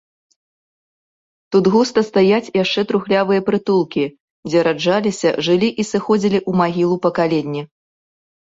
Тут густа стаяць яшчэ трухлявыя прытулкі, дзе раджаліся, жылі і сыходзілі ў магілу пакаленні.